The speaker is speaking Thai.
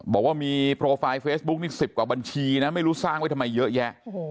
บอกว่ามีโปรไฟล์เฟซบุ๊กนี่๑๐กว่าบัญชีนะไม่รู้สร้างไว้ทำไมเยอะแยะ